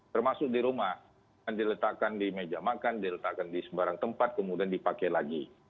termasuk di rumah dan diletakkan di meja makan diletakkan di sembarang tempat kemudian dipakai lagi